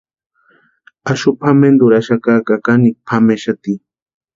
Axu pʼamenturhaxaka ka kanikwa pʼamexati.